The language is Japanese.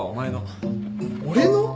俺の！？